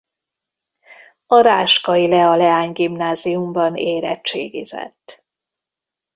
A Ráskai Lea leánygimnáziumban érettségizett.